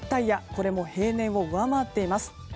これも平年を上回っています。